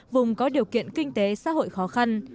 vùng có điều kiện kinh tế xã hội khó khăn